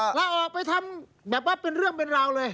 ลาออกไปทำแบบว่าเป็นเรื่องเป็นราวเลย